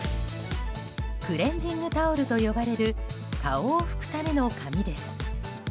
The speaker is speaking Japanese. クレンジングタオルと呼ばれる顔を拭くための紙です。